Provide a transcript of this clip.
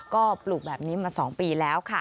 ก็ปลูกแบบนี้มา๒ปีแล้วค่ะ